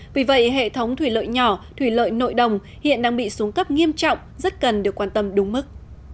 vì vậy hệ thống thủy lợi nhỏ thủy lợi nội đồng hiện đang bị xuống cấp nghiêm trọng rất cần được quan tâm đúng mức